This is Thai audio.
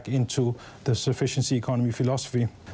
สิ่งที่มีงานต่าง